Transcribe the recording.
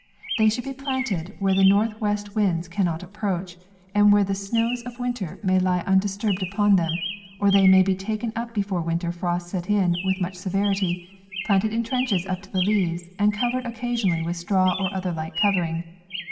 They should be planted where the northwest winds cannot approach, and where the snows of winter may lie undisturbed upon them ; or they may be taken up before the winter frosts set in with much severity, planted in trenches up to the leaves, and covered occa sionally with straw or other light covering.